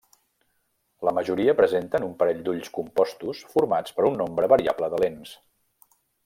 La majoria presenten un parell d'ulls compostos formats per un nombre variable de lents.